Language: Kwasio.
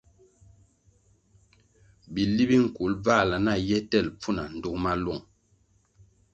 Bili bi nkul bvãhla na ye tel pfuna dug maluong.